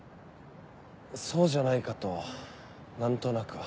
そうじゃないかと何となくは。